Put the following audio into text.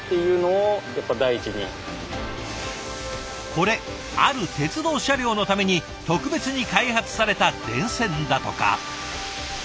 これある鉄道車両のために特別に開発された電線だとか。